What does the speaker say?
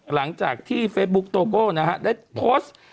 หลังจากที่เฟซบุ๊กโตโก้นะฮะได้โพสต์